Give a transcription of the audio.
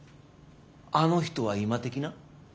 あの人は今的な？